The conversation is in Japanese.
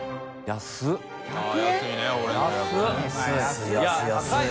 安い。